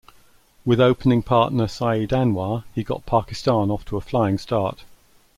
With opening partner Saeed Anwar, he got Pakistan off to a flying start.